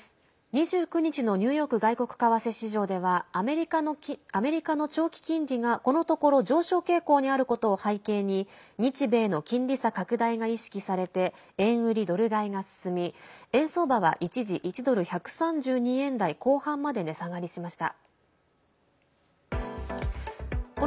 ２９日のニューヨーク外国為替市場ではアメリカの長期金利がこのところ上昇傾向にあることを背景に日米の金利差拡大が意識されて円売りドル買いが進み円相場は一時１ドル＝１３２円台後半まで値下がりしました。